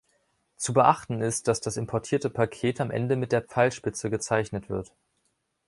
Zu beachten ist, dass das importierte Paket am Ende mit der Pfeilspitze gezeichnet wird.